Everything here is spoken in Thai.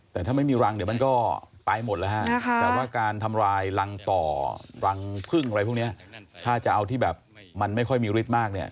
แต่ถ้าไม่มีรังเดี๋ยวมันก็ไปหมดแล้วฮะแต่ว่าการทำลายรังต่อรังพึ่งอะไรพวกนี้ถ้าจะเอาที่แบบมันไม่ค่อยมีฤทธิ์มากเนี่ย